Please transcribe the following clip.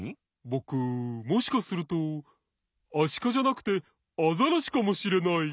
ぼくもしかするとアシカじゃなくてアザラシかもしれない。